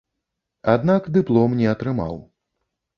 Аднак дыплом не атрымаў.